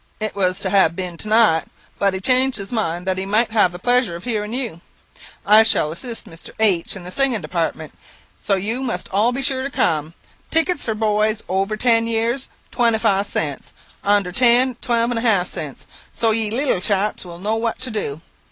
It was to have been to night; but he changed his mind that he might have the pleasure of hearing you. I shall assist Mr. H in the singing department; so you must all be sure to cum. Tickets for boys over ten years, twenty five cents; under ten, twelve and a half cents. So you leetle chaps will know what to do.